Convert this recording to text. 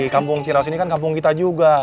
kampung ciras ini kan kampung kita juga